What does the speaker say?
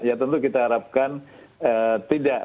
ya tentu kita harapkan tidak